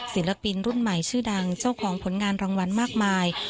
ศิลปินรุ่นใหม่ชื่อดังเจ้าของผลงานรางวัลมากมาย